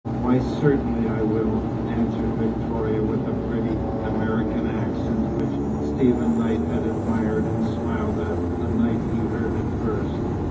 "Why, certainly I will," answered Victoria, with the pretty American accent which Stephen Knight had admired and smiled at the night he heard it first.